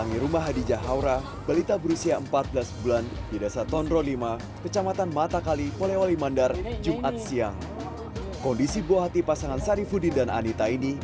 nah ini dia